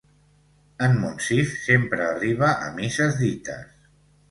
En Monsif sempre arriba a misses dites.